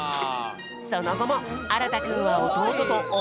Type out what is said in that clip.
そのごもあらたくんはおとうととおおもりあがり。